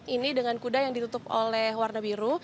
ini dengan kuda yang ditutup oleh warna biru